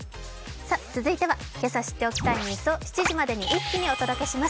続いてはけさ知っておきたいニュースを７時までに一気にお届けします。